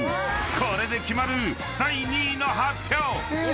［これで決まる第２位の発表］